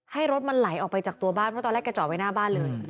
ให้รถมันไหลออกไปจากตัวบ้านเพราะตอนแรกแกจอดไว้หน้าบ้านเลย